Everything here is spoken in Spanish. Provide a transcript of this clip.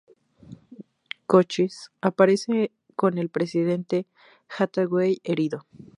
Cochise aparece con el presidente Hathaway herido.